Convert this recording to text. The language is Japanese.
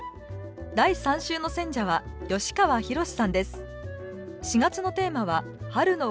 第３週の選者は吉川宏志さんです